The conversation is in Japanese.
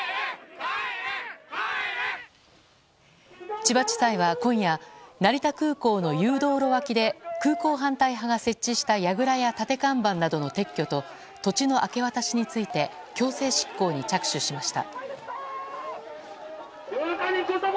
千葉地裁は今夜成田空港の誘導路脇で空港反対派が設置したやぐらや立て看板などの撤去と土地の明け渡しについて強制執行に着手しました。